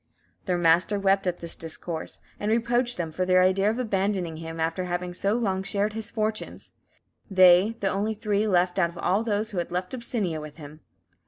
Their master wept at this discourse, and reproached them for their idea of abandoning him after having so long shared his fortunes; they, the only three left out of all those who had left Abyssinia with him.